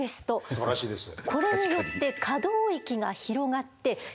すばらしいですね。